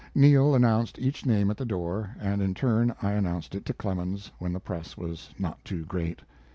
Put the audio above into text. Neal announced each name at the door, and in turn I announced it to Clemens when the press was not too great.